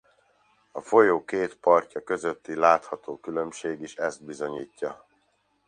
A folyó két partja közötti látható különbség is ezt bizonyítja.